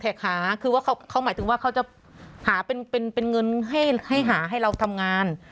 แท็กหาคือว่าเขาเขาหมายถึงว่าเขาจะหาเป็นเป็นเป็นเงินให้ให้หาให้เราทำงาน